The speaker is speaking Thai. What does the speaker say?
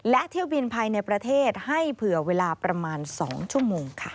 และเที่ยวบินภายในประเทศให้เผื่อเวลาประมาณ๒ชั่วโมงค่ะ